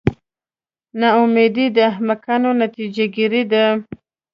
نا امیدي د احمقانو نتیجه ګیري ده.